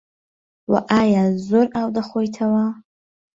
وه ئایا زۆر ئاو دەخۆیتەوە